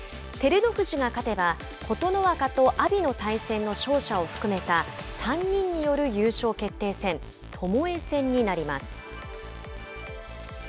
照ノ富士が勝てば琴ノ若と阿炎の対戦の勝者を含めた３人による優勝決定戦ともえ戦になります。